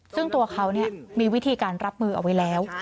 ซึ่งตัวเขามีวิธีการรับมือเอาไว้แล้ว